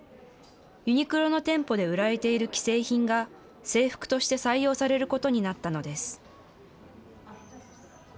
ユニクロの店舗で売られている既製品が、制服として採用されることになったのです。